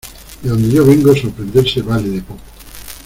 de donde yo vengo sorprenderse vale de poco.